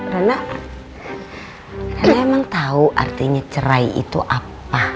rana rana emang tau artinya cerai itu apa